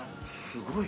すごい。